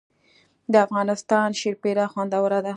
د افغانستان شیرپیره خوندوره ده